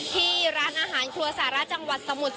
ที่ร้านอาหารครัวสาระจังหวัดสมุทร